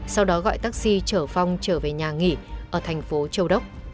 sau đó gọi taxi trở phong trở về nhà nghỉ ở thành phố châu đốc